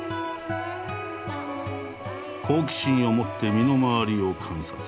好奇心を持って身の回りを観察。